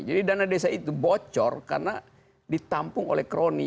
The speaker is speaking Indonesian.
jadi dana desa itu bocor karena ditampung oleh kroni